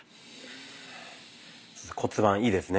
骨盤いいですね。